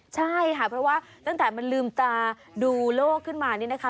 ใช่ค่ะเพราะว่าตั้งแต่มันลืมตาดูโลกขึ้นมานี่นะคะ